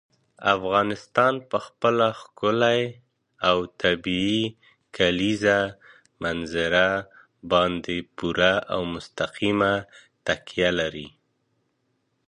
افغانستان په خپله ښکلې او طبیعي کلیزو منظره باندې پوره او مستقیمه تکیه لري.